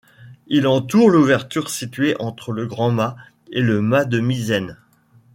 Ils entourent l'ouverture située entre le grand mât et le mât de misaine.